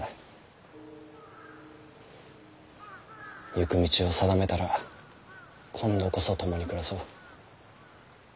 行く道を定めたら今度こそ共に暮らそう。